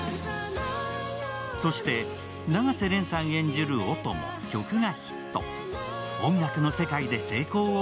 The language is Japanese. そして、永瀬廉さん演じる音も曲がヒット。